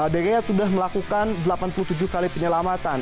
dki sudah melakukan delapan puluh tujuh kali penyelamatan